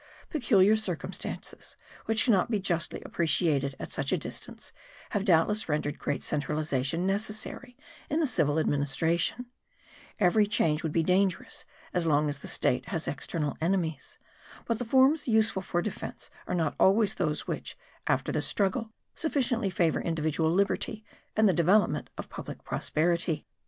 Peculiar circumstances, which cannot be justly appreciated at such a distance, have doubtless rendered great centralization necessary in the civil administration; every change would be dangerous as long as the state has external enemies; but the forms useful for defence are not always those which, after the struggle, sufficiently favour individual liberty and the development of public prosperity.